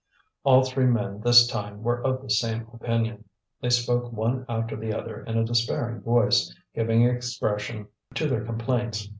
All three men this time were of the same opinion. They spoke one after the other in a despairing voice, giving expression to their complaints.